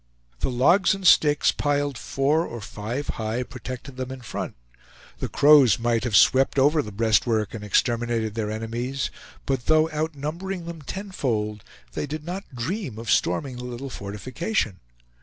The logs and sticks, piled four or five high, protected them in front. The Crows might have swept over the breastwork and exterminated their enemies; but though out numbering them tenfold, they did not dream of storming the little fortification.